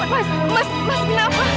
mas mas mas kenapa